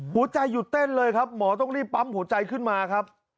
หัวใจหยุดเต้นเลยครับหมอต้องรีบปั๊มหัวใจขึ้นมาครับ